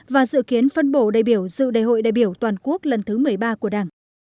và dự kiến phân bổ đại biểu dự đại hội đại biểu toàn quốc lần thứ một mươi ba của đảng